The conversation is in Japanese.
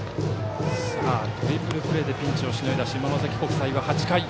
トリプルプレーでピンチをしのいだ下関国際は８回。